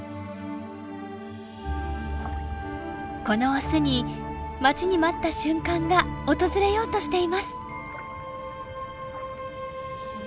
このオスに待ちに待った瞬間が訪れようとしています。